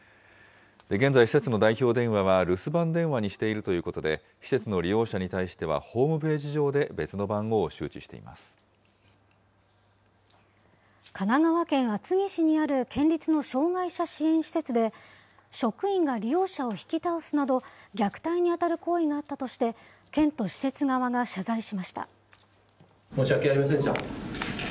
現在、施設の代表電話は留守番電話にしているということで、施設の利用者に対しては、ホームペー神奈川県厚木市にある県立の障害者支援施設で、職員が利用者を引き倒すなど、虐待に当たる行為があったとして、県と施設側が謝罪しました。